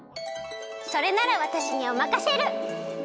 それならわたしにおまかシェル！